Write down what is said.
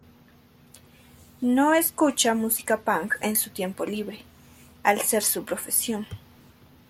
No escucha música punk en su tiempo libre, al ser su profesión.